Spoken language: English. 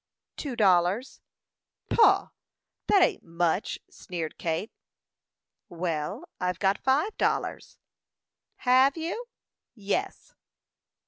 "Two dollars." "Pooh! that ain't much!" sneered Kate. "Well, I've got five dollars." "Have you?" "Yes."